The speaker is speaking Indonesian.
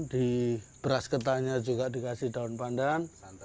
di beras ketanya juga dikasih daun pandan